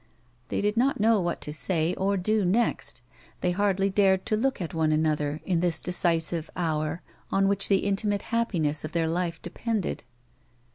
They did not know what to say or do next ; they hardly dared to look at one another, in this decisive hour, on whicli the intimate happiness of their life depended.